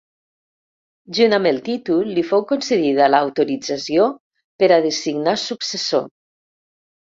Junt amb el títol li fou concedida l'autorització per a designar successor.